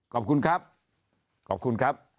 ขอบคุณครับขอบคุณครับ